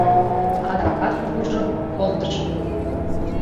Адакат куржым, кондышым.